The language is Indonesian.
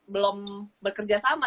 belum bekerja sama